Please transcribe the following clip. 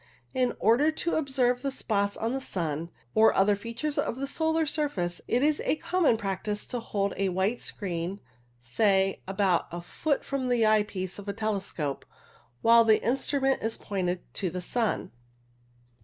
In order to observe the spots on the sun and other features of the solar surface, it is a common practice to hold a white screen, say, about a foot E 26 CIRRUS from the eyepiece of a telescope, while the instru ment is pointed to the sun.